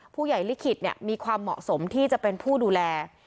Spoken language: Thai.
ผู้ใหญ่ลิขิตเนี่ยมีความเหมาะสมที่จะเป็นผู้ดูแล